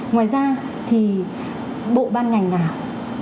ngoài ra thì bộ ban ngành nào